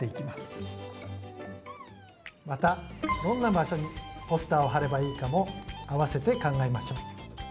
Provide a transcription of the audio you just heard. またどんな場所にポスターを貼ればいいかも合わせて考えましょう。